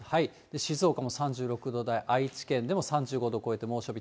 静岡も３６度台、愛知県でも３５度超えて猛暑日。